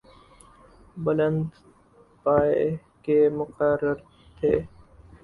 بلند پائے کے مقرر تھے۔